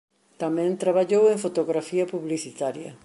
Tamén traballou en fotografía publicitaria.